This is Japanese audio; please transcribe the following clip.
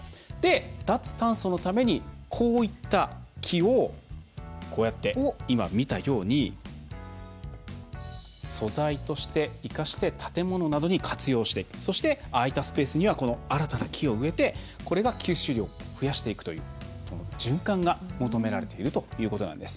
脱炭素のためにこういった木をこうやって今、見たように素材として生かして建物などに活用してそして、空いたスペースには新たな木を植えてこれが、吸収量を増やしていくという循環が求められているということなんです。